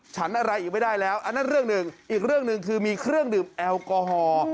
ฉันอะไรอีกไม่ได้แล้วอันนั้นเรื่องหนึ่งอีกเรื่องหนึ่งคือมีเครื่องดื่มแอลกอฮอล์